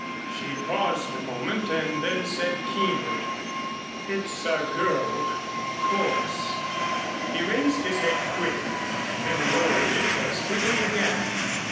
She paused a moment, and then said keenly: "It's a girl, of course." He raised his head quickly, and then lowered it as quickly again.